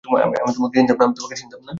আমি তোমাকে চিনতাম না।